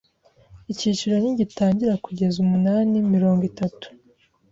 Icyiciro ntigitangira kugeza umunani-mirongo itatu